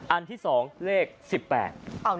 อันที่สองเลขสิบแปด